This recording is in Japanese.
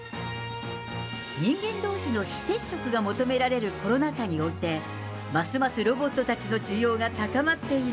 人間どうしの非接触が求められるコロナ禍において、ますますロボットたちの需要が高まっている。